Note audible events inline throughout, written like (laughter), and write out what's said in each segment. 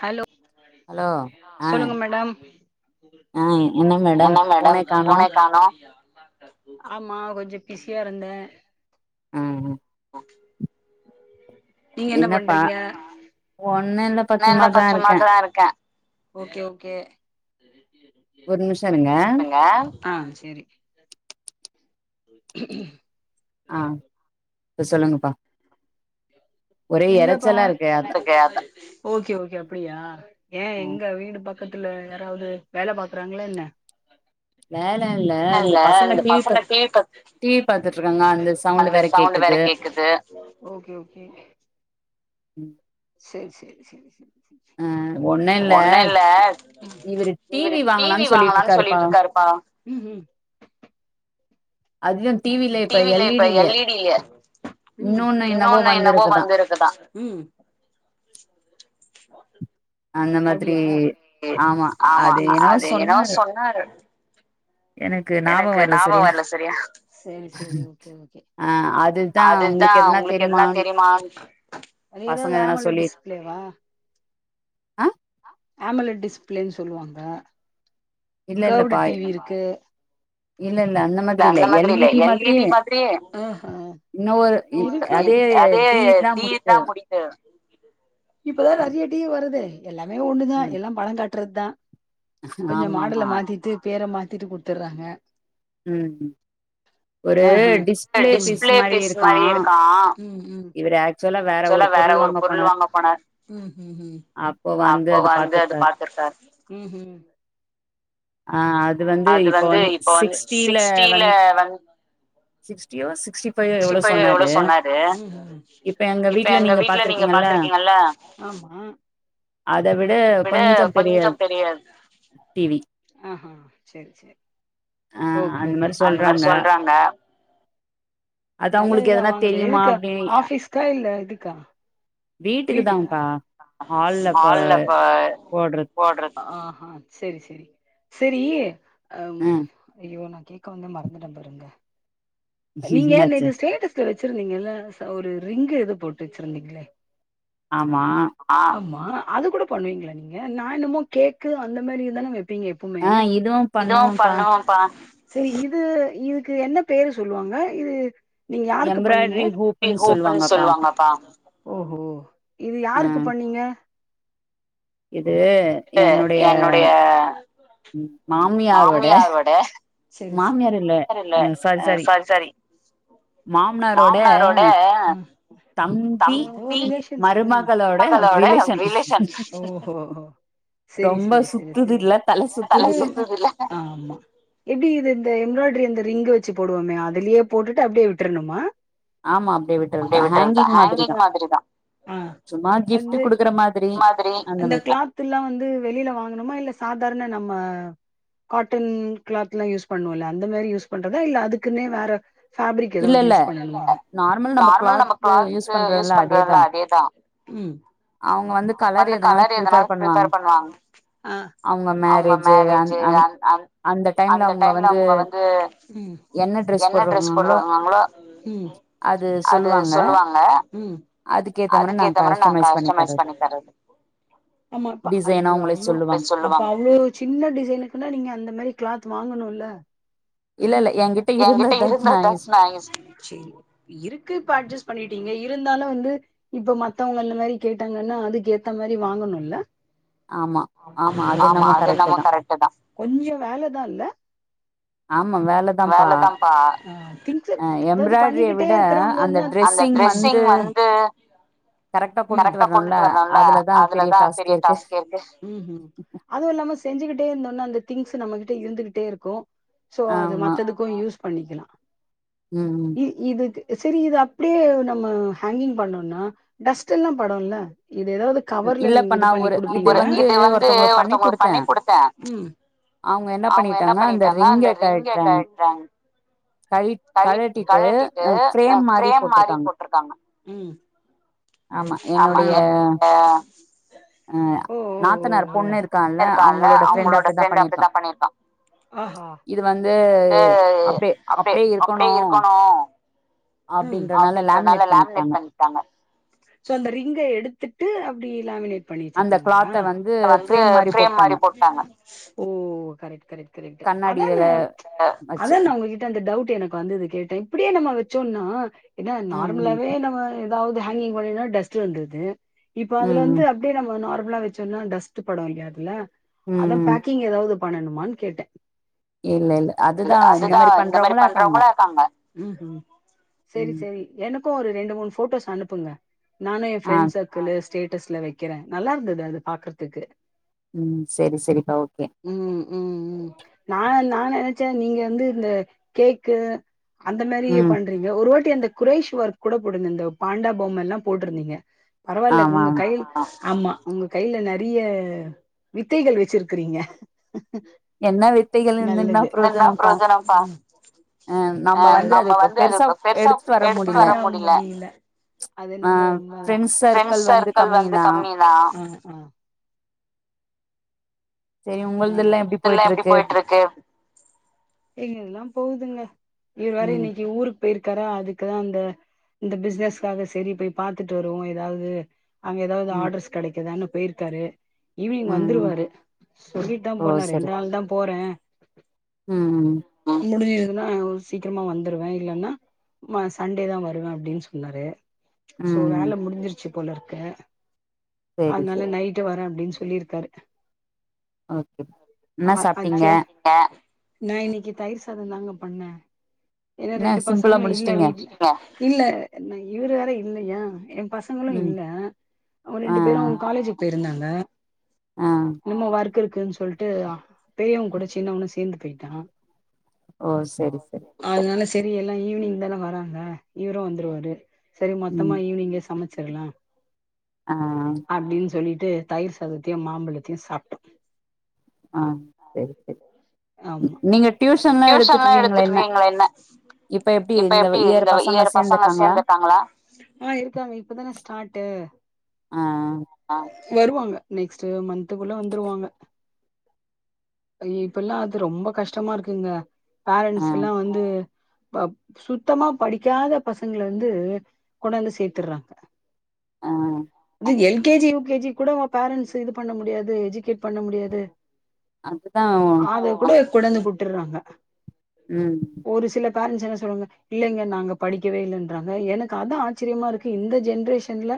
hello சொல்லுங்க madam என்ன madam ஃபோனே கானோம் ஆமா கொஞ்சொ பிஸியாருந்தே என்ன பா ஒண்ணு இல்ல ப் நா இல்ல கா சும்மாதா இருக்கே ஓகே ஓகே ஒரு நிமிஷோ இருங்க ஆ செரி ஆ இப்ப சொல்லுங்பா இல்லப்பா ஓகே ஓகே அப்டியா ஏன் எங்க வீடு ப பக்கத்துல யாராவது வேல பாக்றாங்ளா என்ன ல்ல பசங்க டீ வி பாத் டீ வி பாத்துட்டு இருக்காங்க அந்த சவுண்ட் வேற கேக்குது ஓகே ஓகே செரி செரி செரி செரி ஒண்ணுல்ல இவரு டி வி வாங்கலான்னு சொல்லிட்ருக்காருப்பா டி வில இப்ப எல் இ டி ல ம் இன்னொன்னு என்னவோ வந்துருக்குதா ம் அப்டியா ஆமா அது ஏனோ சொன்னாரு எனக்கு நாபகம் வர்ல சர்யா சரி சரி ஓகே ஓகே அதுதா உங்ளுக்கு எதனா தெரிமா (unintelligible) (unintelligible) ஆ அமலட் டிஸ்ப்ளேன்னு சொல்லுவாங்க கேவ்டு டி வி இருக்கு இல்ல அந்த மாதிரி இல்ல எல் இ டி மாதிரியே அதே டீ தா முடி இப்பதா நறைய டீவி வருதே எல்லாமே ஒண்ணுதா எல்லா படோ காட்றது தா கொஞ்சொ மாடல மாத்திட்டு பேர மாத்திட்டு குடுத்துறாங்க ம் ம் ஒரு டிஸ்ப்ளே பீஸ் மாரி இருக்கும் இவர சொல்ல வேற ஒரு பொருள் வாங்க போன ம் அப்போ வந்து அது பாத்துருக்காரு ம் ஹும் ஆ அது வந்து இப்போ வந்து சிக்ஸ்டில வந் சிக்ஸ்டியோ சிக்ஸ்டி சிக்ஸ்டி பைய்வோ எவ்ளோ சொன்னாரு இப்ப எங்க வீட்ல நீங்க பாத்துருக்கீங்கல்ல அத விட விட கொஞ்சோ பெரிய ம் ம் செர் செர் ஓகே ஓகே அந்த மாரி சொல்றாங்க நல்லது தான் வாங்கிடு எதுக்கா ஆபீஸ்க்கா இல்ல இதுக்கா வீட்டுக்கா சால்ல ப போட்றத் ஆஹ செரி செரி செரி ஹ அய்யோ நா கேக்க வந்தே மறந்துட்டே பாருங்க நீங்க நேத்து ஸ்டேட்டஸ்ல்ல வச்சிருந்தீங்கள ச ஒரு ரிங்கு எதோ போட்டு வச்சிருந்தீங்கள ஆமா ஆமா அது கூட பண்ணுவீங்ளா நீங்க நா என்னமோ கேக்கு அந்த மாரிதானே வைப்பீங்க எப் எப்போமே இவு பண்ணுவோம்ப்பா செரி இது இதுக்கு என்ன பேரு சொல்லுவாங்க இது இது நீங்க யாருக்கு பண்ணீங்க ஃப்ரீ ஹோப்னு சொல்லுவாங்கப்பா ஓஹோ இது யாருக்கு பண்ணீங்க இது என்னுடைய மாமியாரோட செரி செரி மாமியார் இல்ல ஆ சாரி சாரி மாமனாரோட ஆ (unintelligible) ரிலேஷன்ஸ் மருமகளோட ரிலேஷன் ஓ ஹோ செரி செரி செரி செரி தல சுத்துதுல ஆ ஆமா எப்டி இது இந்த எம்பராய்டரி இந்த ரிங்கு ச்சு போடுவோமே அதுலே போட்டுட்டு அப்டியே விட்றணுமா அப்டியே விட்றது தா ஹேங்கிங் மாதிரிதா ம் அந்து மாதிரி அந்த கிளாத் த்துல்லா வந்து வெளியில வாங்கணுமா இல்ல சாதாரண நம்ம காட்டன் கிளாத்ல்லா யூஸ் பண்ணோல்ல அந்த மாரி யூஸ் பண்றதா இல்ல அதுக்குன்னே வேற ஃபப்ரிக் ஏதாவது யூஸ் பண்ணணுமா நார்மல் நம்ம கிளாத் யூஸ் பண்றோல்ல அதேதா ம் அவுங்க வந்து கலர் எதனால் பிரிப்பேர் பண்ணுவாங்க ஆ அவுங்க மேரேஜூ அந் அந் அந்த டைம்ல அவுங்க வந்து ம் என்ன டிரெஸ் போட்டுருங்கங்களோ ம் அது சொல்லுவாங்க அதுக்கேத்த மாரி நா கஸ்டமைஸ் பண்ணி தரது ஆமாப்ப அது அவ்ளோ (unintelligible) சொல்லுவாங்க அவ்ளோ சின்ன டிசைனுக்குன்னா நீங்க அந்த மாரி கிளாத் வாங்கணுல்ல இல்ல இல்லே ஏங்கிட்ட இருந்ததச்சு நா யூஸ் சி இருக்கு இப்ப அட்ஜஸ்ட் பண்ணிட்டீங்க இருந்தாலு வந்து இப்ப மத்தவங்கள் இந்த மாரி கேட்டாங்கன்னா அதுக்கேத்த மாரி வாங்கணுல்ல ஆமா அது என்னமோ கரெக்டுதா கொஞ்சோ வேலதா இல்ல வேலதாப்பா (unintelligible) அதாவது பண்ணிக்கிட்டே இருக்கறவங்க வந்து அந்த டிரெஸ்ஸிங் வந்து கரெக்டா கொண்டுட்டு வரணுல்ல அதுலதா பெரிய டாஸ்க்கே இருக்கு அதுவு இல்லாம செஞ்சுகிட்டே இருந்தோன்ன அந்த திங்ஸ் நம்மகிட்ட இருந்துகிட்டே இருக்கு சோ எதுக்கு யூஸ் பண்ணிக்கலா ம் ம் இ இதுக் செரி இது அப்டியே நம்ம ஹேங்கிங் பண்ணோன்னா டஸ்ட் எல்லா படுல்ல இது ஏதாவது கவர்ல நீங்க இது பண்ணி குடுப்பீங்களா ஒரு இது வந்து ஒருத்தவங்களுக்கு பண்ணி குடுத்தே அவங்க என்ன பண்ணிட்டாங்க அந்த ரிங்க கழட்றாங்க கய் கழட்டிட்டு ஃபிரேம் மாரி போட்ருக்காங்க ஆமா ஆ நாத்தனார் பொண்ணு இருக்கால்ல அவங்களோட ஃப்ரெண்ட்டு அப்டிதா பண்ணியிருக்கா அது அப்பி அப்டியே இருக்கணு அப்டின்றனால லேம்னேட் பண்ட்டாங்க சோ அந்த ரிங்க எடுத்துட்டு அப்டியே லேம்னேட் இப்ப வந்து ஃபிரேம் மாரி போட்டாங்க அதான அதான உங்ககிட் ட அந்த டவுட் எனக்கு வந்தது கேட்ட இப்டியே நம்ம வச்சோம்னா என்னா நார்மலாவே நம்ம எதாவ்து ஹேங்கிங் பண்ணிணா டஸ்ட்டு வந்துர்து இப்ப அதுல வந்து அப் ப்டே நம்ம நார்மலா வச்சோனா டஸ்ட்டு பட முடியாதுல அதா பேக்கிங் எதாவ்து பண்ணனுமான் கேட்ட இல்ல அதுதா இந்த மாரி பண்றவங்ளோ இருக்காங்க ம் எனக்கு ஒரு ரெண்டு மூண் போட்டோஸ் அனுப்புங்க நானு என் ஃப்ரெண்ட்ஸ் சர்க் கிலு ஸ்டேட்டஸ்ல வெக்கிறே நல்லா இருந்தது அது பாக்கற்துக்கு ம் செரி செரிக்கா ஓகே ம் ம் ம் நா நா நெனச்ச நீங்க வந்து இந்த கேக்கு அந்த மாரி பண்றீங்க ஒரு வாட்டி அந்த குரேஷ் ஒர்க் கூட போட்டு இந்த பாண்டா பொம்மல்லா போட்ருந்தீங்க பரவாயில்ல உங்க கை ஆமா உங்க கைல நெறைய வித்தைகள் வச்சுருக்கிறீங்க நல்லது ஆ நம்ம வந்து அதுப் பெருசா எடுத்துட்டு வர முடில ஃப்ரெண்ட்ஸ் சர்க்கள் வந்து கம்மி தா இதெல்லா எப்டி போயிட்ருக்கு எங்கெல்லா போகுதுங்க இவர் வேற இன்னைக்கி ஊருக் போயிருக்காரா அதுக்கா அந்த இந்த பிஸ்னஸ்க்காக செரி போய் பாத்துட்டு வருவோ எதாவ்து அங்க எதாவ்து ஆர்ட்ரஸ் கெடைக்குதான்னு போயிருக்காரு ஈவ்னிங் வந்துருவாரு சொல்லிட் தா போனாரு ரெண்டு நாள் தா போற ம் (unintelligible) முடிஞ்சதுன்னா சீக்கிரமா வந்துருவ இல்லன்னா நா சண்டே தா வருவ அப்டின் சொன்னாரு சோ வேல முடிஞ்சுருச்சு போலருக்கு அதனால நைட் ட்டு வரே அப்டின் சொல்லிருக்காரு ஆ அ நா இன்னைக்கி தயிர் சாதோ தாங்க பண்ண ஏன்னா ரெண்டு பசங்களும் இல்ல வீட்ல இல்ல இவுரு வேற இல்லயா பசங்களு இல்ல அவங் ரெண்டு பேரும் காலேஜு போயிருந்தாங்க ஆ என்னமோ ஒர்க் இருக்குன்னு சொல்ட்டு பெரியவ கூட சின்னவனும் சேந்து போயிட்டா ஓ சரி சரி அதனால செரி எல்லா ஈவ்னிங் தான வராங்க இவரு வந்துருவாரு சரி மொத்தமா ஈவ்னிங்கே சமச் செய்லா அப்டின் சொல்லிட்டு தயிர் சாதத்தையு மாம்பழத்தையு சாப்ட்டோ ஆ செரி செரி நீங்க டியூசன்ல்லா எடுத்துட்ருக்கீங்ளா என்ன இப்ப எப்டி இந்த யேர் பசங்க சேந்துட்டாங்களா ஆ இருக்காங்க இப்பதன ஸ்டாட்டு ஆ அ வருவாங்க நெக்ஸ்ட் மந்த்க்குள்ள வந்துருவாங்க ஐ இப்பெல்லா அது ரொம்ப கஷ்டமாருக்குங்க பேரண்ட்ஸ் எல்லா வந்து பப் சுத்தமா படிக்காத பசங்கல வந்து கொண்டாந்து சேத்துற்றாங்க அ L K G U K G கூட வா பேரன்ட்ஸ் இது பண்ணமுடியாது எஜ்ஜுகேட் பண்ணமுடியாது அதுக்குத்தா அது கூட கொண்டாந்து வுட்டுற்றாங்க ஒரு சில பேரண்ட்ஸ் என்ன சொல்வாங்க இல்லங்க நாங்க படிக்கவே இல்லன்றாங்க எனக்குஅதா ஆச்சரியமா இருக்கு இந்த ஜென்ரேஷன்ல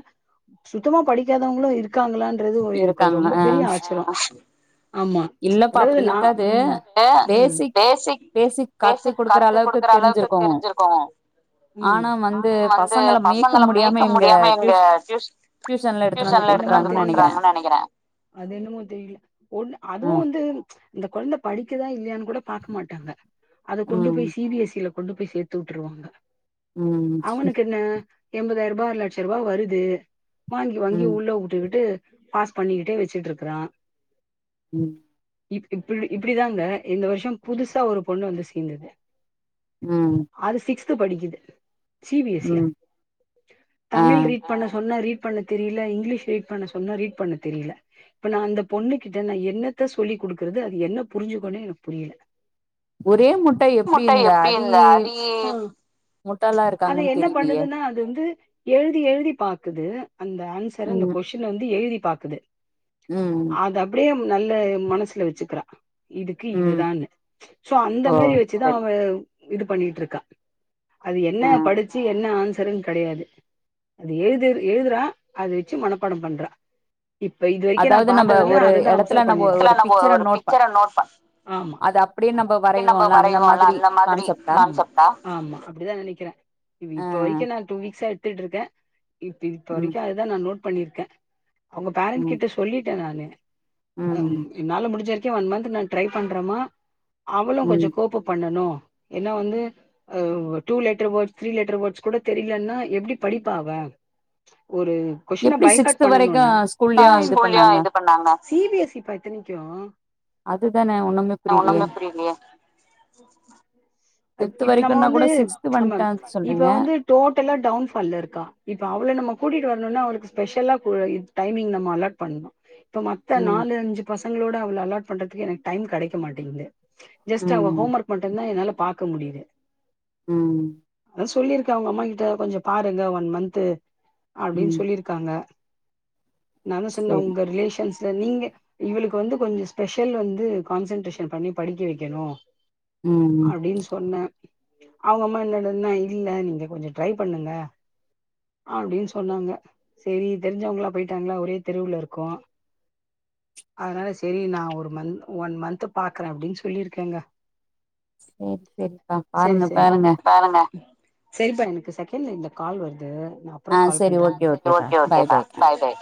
சுத்தமா படிக்காதவங்ளு இருக்காங்களான்றது ஒரு எனக்கு ரொம்ப பெரிய ஆச்சிர ஆம்மா அதாவ்து நா ம் மா பேசிக் பேசிக் கத்துக் கொடுக்குற அளவுக் தெரிஞ்சிருக்கு க்கோ ம் ஆனா அந்து பசங்கள மேக்க முடியாம எங்க டுயூஷ் டியூஷன்ல எடுத்துட்டுவந்து குடுக்றாங்கன் நெனைக்கிற அது என்னமோ தெரில ஒண்ணு அதுவு வந்து அந்த கொழந்த படிக்கதா இல்லயான்னு கூட பாக்கமாட்டாங்க அத கொண்டு போய் சி பி எஸ் இ ல கொண்டு போய் சேத்துவுட்டுருவாங்க அவுனுக்கு என்ன எம்பதாயிர்பா லட்சருபா வருது வாங்கி வாங்கி உள்ள உட்டுக்குட்டு பாஸ் பண்ணிக்கிட்டே வச்சுட் இருக்குறான் ம் இ இப்புடி இப்புடிதாங்க இந்த வர்ஷொ புதுசா ஒரு பொண்ணு வந்து சேந்துது ம் அது சிக்ஸ்த்து படிக்குது சி பி எஸ் இ ல தமிழ் ரீட் ர பண்ண சொன்னா ரீட் பண்ண தெரில இங்கிலீஷ் ரீட் பண்ண சொன்னா ரீட் பண்ண தெரியில இப்ப நா அந்த பொண்ணு கிட்ட நா என்னத்த சொல்லி் குடுக்குறது அது என்ன புரிஞ்சுக்குன்ணே எனக் புரியல மொட்ட எப்டி இருந்தா அடி அது என்னப்பண்ணுதுன்னா அதுவந்து எழுதி எழுதி பாக்குது அந்த ஆன்சர அந்த கொஷின்ன வந்து எழுதிப்பாக்குது அத அப்டே நல்ல மனசுல வெச்சுக்கிறா இதுக்கு இதுதான்னு சோ அந்த மாரி வெச்சுதா அவ இது பண்ணிட்ருக்கா அது என்னபடிச்சு என்ன ஆன்ஸ் தருங் கடையாது அது எழுதுர் எழுதுற அதவெச்சு மனப்பாட பண்றா இப்ப இதுரைக்கு நா பாத்ததுல அததா அப்சர்வ் பண்ணிர்க் அங்க ஒரு பிக்சர நோட் ப அத அப்டி நம் வரைவோல்ல அந்த மாதிரி கான்சப் ஆ ஆம்மா அப்டிதா நெனைக்கிற இ இப்ப வரைக்கு ன நா டூ வீக்ஸா எடுத்துட்ருக்கே இப்ப இப்ப வரைக்கு அதுதா நா நோட் பண்ணிர்க்க அவுங்க பேரண்ட் கிட்ட சொல்லீட்ட நானு அம் என்னால முடிஞ்சவரைக்கு ஒன் மந்த் நா ட்ரை பண்றேம்மா அவளு கொஞ்சொ கோப்அப் பண்ணணு என்ன வந்து ஆ two letter words three letter words கூட தெரிய்லன்னா எப்டி படிப்பா அவ ஒரு கொஸ்டின பைகாட் பண்ணணுன்னா சி பி எஸ சி பாத் இத்தனைக்கு அ ஒண்ணுமே புரியலையே அப் இப்ப நம்மவந்து அம்மம் இப்பவந்து டோட்டலா டவுன்ஃபால்ல இருக்கா இப்ப அவள நம்ம கூட்டிட்டு வர்ணுன்னா அவளுக்குஸ்பெஷல்லா இப் டைமிங் நம்ம அலாட் பண் இப்போ மத்த நாலு அஞ்சு பசங்களோட அவள அலாட் பண்றதுக்கு எனக் டைம் கெடைக் மாட்டேங்து ஜஸ்ட் அவ ஹோம் ஒர்க் மட்டந்தா என்னால பாக்க முடியுது ம் அதா சொல்லிருக்கே அவுங்க அம்மா கிட்ட கொஞ்சோ பாருங்க ஒன் மந்த்து அப்டின் சொல்லிருக் காங்க நாந்தா சொன்னே அவுங்க ரிலேஷன்ஸ்ல நீங்க இவளுக்கு வந்து கொஞ்சோ ஸ்பெஷல் வந்து கான்சென்ட்ரேஷன் பண்ணி படிக்க வெக்கணு அப்டின் சொன்ன அவுங்க அம்மா இன்னடனா இல்ல நீங்க கொஞ்சோ ட்ரை பண்ணுங்க அப்டின் சொன்னாங்க சேரி தெரிஞ்சவங்களா போய்டாங்ளா ஒரே தெருவுல இருக்கோ அதனால சேரி நா ஒரு மந்த் ஒன் மந்த்து பாக்குறே அப்டின் சொல்லியிருக்கேங்க செரி செரி செரிப்பா எனக்கு செகெண் லைன்ல கால் வருது அப்றோ கால் பண்றே ஓகே ஓகேபா பாய் பாய்